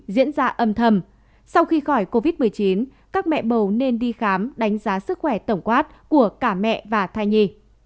diễn ra âm thầm sau khi khỏi covid một mươi chín các mẹ bầu nên đi khám đánh giá sức khỏe tổng quát của cả mẹ và thai nhi